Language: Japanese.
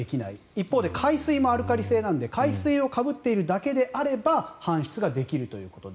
一方で海水もアルカリ性なので海水をかぶっているだけであれば搬出ができるということで。